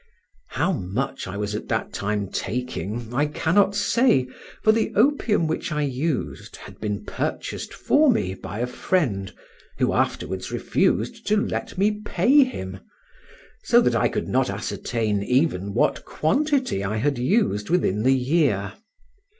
How much I was at that time taking I cannot say, for the opium which I used had been purchased for me by a friend, who afterwards refused to let me pay him; so that I could not ascertain even what quantity I had used within the year.